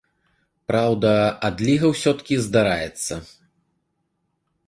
Праўда, адліга ўсё-ткі здараецца.